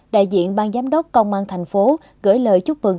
đại diện ban giám đốc công an thành phố gửi lời chúc mừng